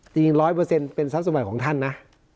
จริง๑๐๐เป็นทรัพย์สมัยของท่านนะ